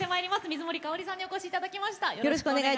水森かおりさんにお越しいただきました。